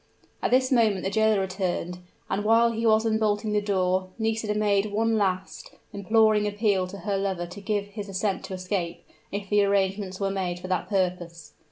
At this moment the jailer returned: and while he was unbolting the door, Nisida made one last, imploring appeal to her lover to give his assent to escape, if the arrangements were made for that purpose.